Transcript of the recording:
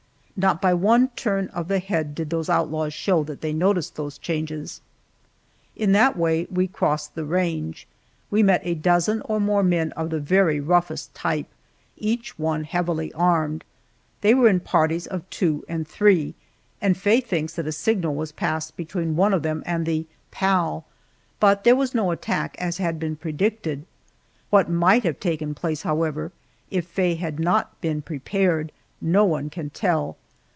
Not by one turn of the head did those outlaws show that they noticed those changes. In that way we crossed the range. We met a dozen or more men of the very roughest type, each one heavily armed. They were in parties of two and three, and Faye thinks that a signal was passed between one of them and the "pal." But there was no attack as had been predicted! What might have taken place, however, if Faye had not been prepared, no one can tell.